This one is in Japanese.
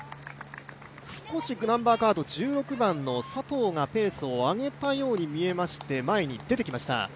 少し１６番の佐藤がペースを上げたように見えまして前に出てきました。